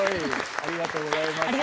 ありがとうございます。